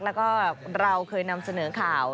แล้วก็เราเคยนำเสนอข่าว